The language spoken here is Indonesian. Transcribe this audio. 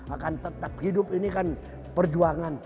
akan tetap hidup ini kan perjuangan